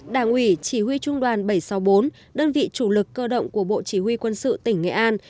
đảng ủy chỉ huy trung đoàn bảy trăm sáu mươi bốn đơn vị chủ lực cơ động của bộ chỉ huy quân sự tỉnh nghệ an